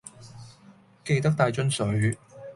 記得帶樽水